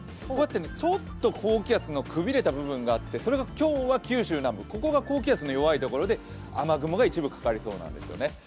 ちょっと高気圧のくびれた部分があってそれが今日は九州南部、ここが高気圧の弱いところで雨雲が一部かかりそうなんですよね。